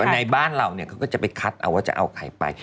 ในบ้านเราเนี่ยเขาก็จะไปคัดเอาว่าจะเอาใครไป